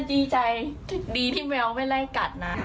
ดีใจดีที่แมวไม่ไล่กัดนะ